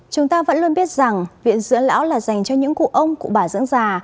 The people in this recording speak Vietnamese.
chúng ta vẫn luôn biết rằng viện dưỡng lão là dành cho những cụ ông cụ bà dưỡng già